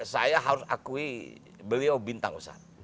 saya harus akui beliau bintang besar